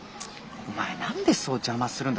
お前何でそう邪魔するんだ。